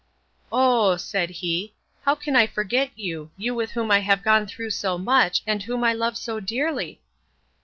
"Oh!" said he, "how can I forget you; you with whom I have gone through so much, and whom I love so dearly?"